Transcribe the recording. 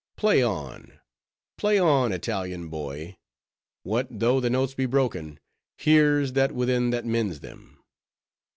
Play on, play on, Italian boy! what though the notes be broken, here's that within that mends them.